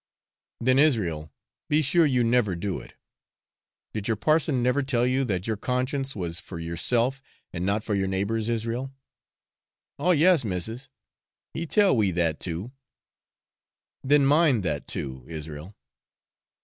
'Then, Israel, be sure you never do it. Did your parson never tell you that your conscience was for yourself and not for your neighbours, Israel?' 'Oh yes, missis, he tell we that too.' 'Then mind that too, Israel.'